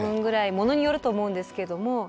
ものによると思うんですけども。